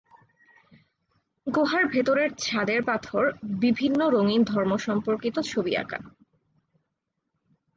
গুহার ভেতরের ছাদের পাথর বিভিন্ন রঙিন ধর্ম সম্পর্কিত ছবি আকা।